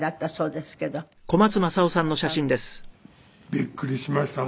びっくりしましたね。